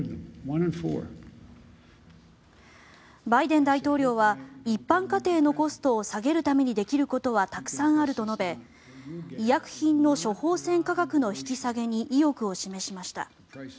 バイデン大統領は一般家庭のコストを下げるためにできることはたくさんあると述べ医薬品の処方せん価格の引き下げに意欲を示しました。